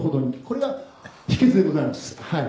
これが秘訣でございますはい」